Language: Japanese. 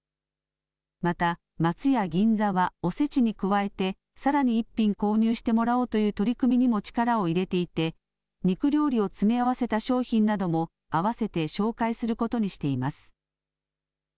また、松屋銀座ではおせちに加えてさらに１品購入してもらおうという取り組みにも力を入れていて肉料理を詰め合わせた商品なども併せて紹介することにしています。